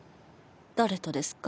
誰とですか？